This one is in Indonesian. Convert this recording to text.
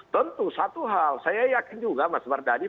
tentu satu hal saya yakin juga mas mardani